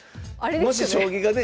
もし将棋がね